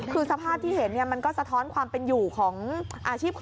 คือสภาพที่เห็นมันก็สะท้อนความเป็นอยู่ของอาชีพของ